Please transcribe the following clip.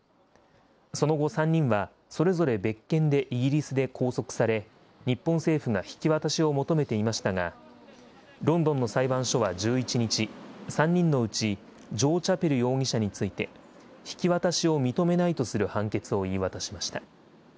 その後、３人はそれぞれ別件でイギリスで拘束され、日本政府が引き渡しを求めていましたが、ロンドンの裁判所は１１日、３人のうち、ジョー・チャペル容疑者について、引き渡しを認めないとする判決を言い渡しました。